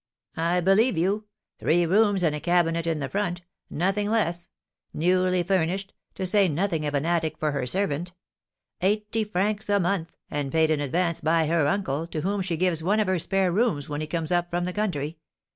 "I believe you! Three rooms and a cabinet in the front, nothing less, newly furnished, to say nothing of an attic for her servant. Eighty francs a month, and paid in advance by her uncle, to whom she gives one of her spare rooms when he comes up from the country.